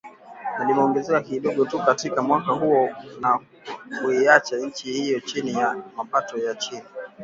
na limeongezeka kidogo tu katika mwaka huo na kuiacha nchi hiyo chini ya mapato ya chini